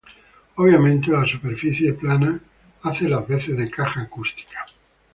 Obviamente, la superficie plana hace las veces de caja acústica.